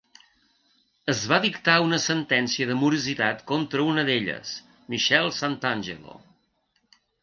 Es va dictar una sentència de morositat contra una d'elles, Michelle Santangelo.